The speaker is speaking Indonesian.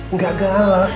nggak gagal lah